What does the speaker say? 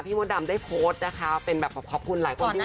มดดำได้โพสต์นะคะเป็นแบบขอบคุณหลายคนด้วย